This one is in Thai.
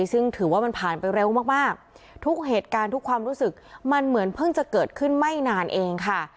ซึ่งถือว่ามันผ่านไปเร็วมากทุกเหตุการณ์ทุกความรู้สึกมันเหมือนเพิ่งจะเกิดขึ้นไม่นานเองค่ะ